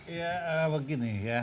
ya begini ya